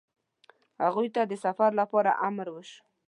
هغوی ته د سفر لپاره امر وشو.